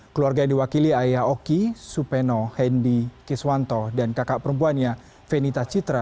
keluarga yang diwakili ayah oki supeno hendi kiswanto dan kakak perempuannya venita citra